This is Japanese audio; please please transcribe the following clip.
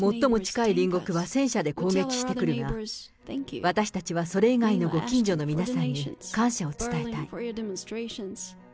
最も近い隣国は戦車で攻撃してくるが、私たちはそれ以外のご近所の皆さんに感謝を伝えたい。